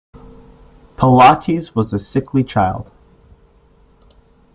Pilates was a sickly child.